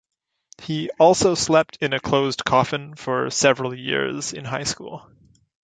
He also slept in a closed coffin for several years in high school.